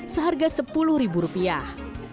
seharga sepuluh ribu rupiah